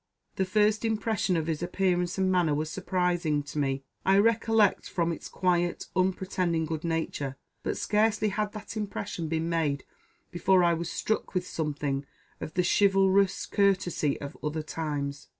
The first impression of his appearance and manner was surprising to me, I recollect, from its quiet, unpretending good nature; but scarcely had that impression been made before I was struck with something of the chivalrous courtesy of other times.